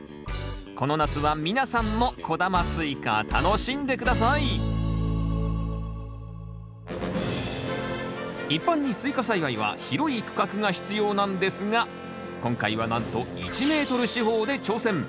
この夏は皆さんも小玉スイカ楽しんで下さい一般にスイカ栽培は広い区画が必要なんですが今回はなんと１ｍ四方で挑戦。